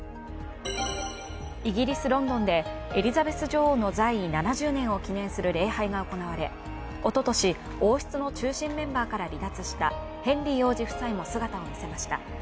イギリス・ロンドンでエリザベス女王の在位７０年を記念する礼拝が行われ、おととし、王室の中心メンバーから離脱したヘンリー王子夫妻も姿を見せました。